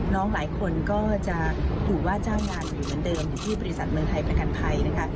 น้องหลายคนก็จะถูกว่าจ้างงานอยู่เหมือนเดิมที่บริษัทเมืองไทยประกันภัยนะคะ